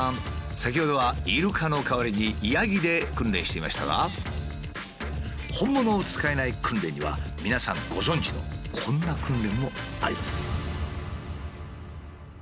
先ほどはイルカの代わりにヤギで訓練していましたが本物を使えない訓練には皆さんご存じのこんな訓練もあります。